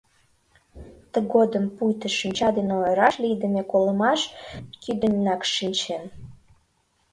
Тыгодым пуйто шинча дене ойыраш лийдыме колымаш кӱдыньнак шинчен.